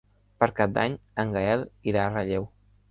Per Cap d'Any en Gaël irà a Relleu.